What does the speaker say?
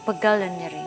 pegal dan nyering